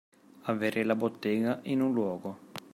Avere la bottega in un luogo.